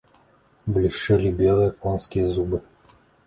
Блішчэлі белыя конскія зубы.